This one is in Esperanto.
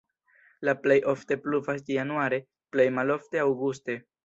La plej ofte pluvas januare, plej malofte aŭguste.